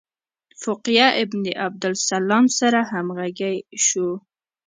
فقیه ابن عبدالسلام سره همغږي شو.